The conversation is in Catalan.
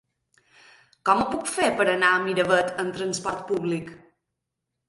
Com ho puc fer per anar a Miravet amb trasport públic?